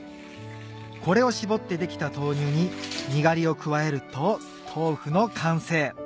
これをしぼってできた豆乳ににがりを加えると豆腐の完成